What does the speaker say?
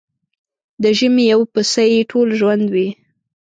د ژمي يو پسه يې ټول ژوند وي.